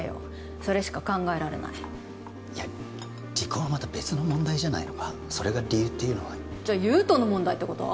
それしか考えられないいや離婚はまた別の問題じゃないのかそれが理由っていうのはじゃあ優人の問題ってこと？